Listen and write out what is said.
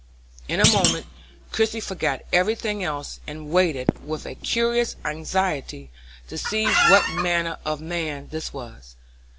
In a moment Christie forgot every thing else, and waited with a curious anxiety to see what manner of man this was.